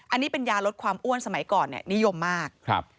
อันนี้เป็นยาลดความอ้วนสมัยก่อนเนี่ยนิยมมากครับ